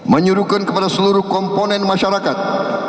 menyuruhkan kepada seluruh komponen masyarakat